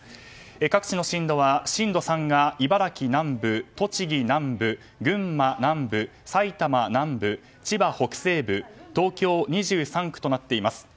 各地の震度は震度３が茨城南部栃木南部、群馬南部、埼玉南部千葉北西部東京２３区となっています。